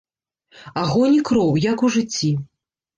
Агонь і кроў, як у жыцці.